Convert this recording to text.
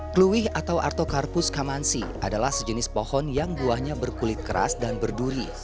kluwih atau artokarpus kamansi adalah sejenis pohon yang buahnya berkulit keras dan berduri